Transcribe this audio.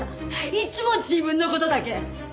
いつも自分の事だけ！